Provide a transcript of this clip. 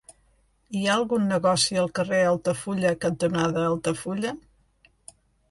Hi ha algun negoci al carrer Altafulla cantonada Altafulla?